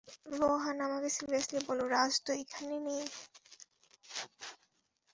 রোহান, আমাকে সিরিয়াসলি বলো, রাজ তো এখানে নেই।